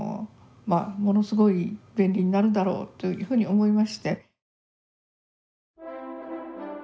ものすごい便利になるだろうというふうに思いまして。